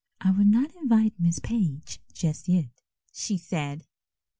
"I would not invite Miss Page just yet," she said.